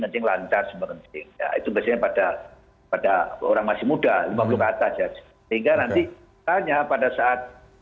kencing lancar sempat itu biasanya pada pada orang masih muda lima puluh kata sehingga nanti hanya pada saat